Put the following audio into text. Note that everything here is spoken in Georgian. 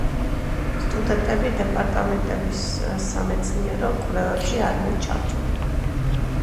სტუდენტები დეპარტამენტების სამეცნიერო კვლევებში არიან ჩართული.